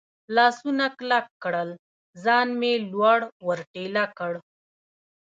لاسونه کلک کړل، ځان مې لوړ ور ټېله کړ.